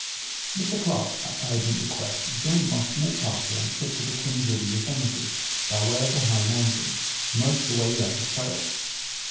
Mr. Clark at my urgent request joined my small party on a trip to the Kings River yosemite by way of the high mountains, most of the way without a trail.